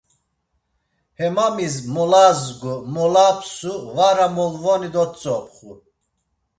Hemamis molazgu, molapsu, var amolvoni dotzopxu.